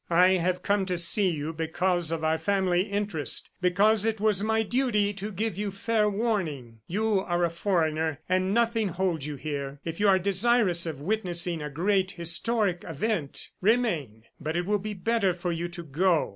"I have come to see you because of our family interest, because it was my duty to give you fair warning. You are a foreigner, and nothing holds you here. If you are desirous of witnessing a great historic event, remain but it will be better for you to go.